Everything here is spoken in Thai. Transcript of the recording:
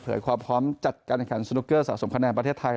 ความพร้อมจัดการแข่งขันสนุกเกอร์สะสมคะแนนประเทศไทย